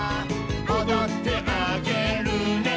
「おどってあげるね」